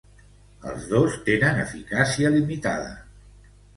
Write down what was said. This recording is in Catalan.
Els dos tenen eficàcia limitada.